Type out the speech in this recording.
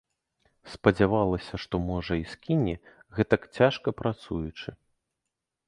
Спадзявалася, што, можа, і скіне, гэтак цяжка працуючы.